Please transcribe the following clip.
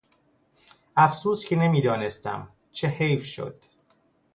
افسوس که نمیدانستم!، چه حیف شد!